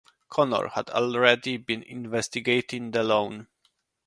Connor had already been investigating the loan.